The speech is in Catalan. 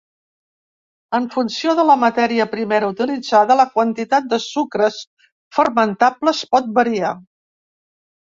En funció de la matèria primera utilitzada, la quantitat de sucres fermentables pot variar.